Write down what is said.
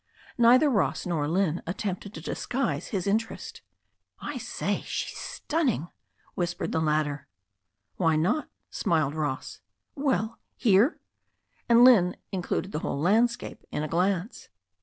Neither Ross nor Lynne attempted to disguise his interest. 1 say, she's stunning," whispered the latter. Why not?" smiled Ross. 'Well, here," and Lynne included the whole landscape in a glance.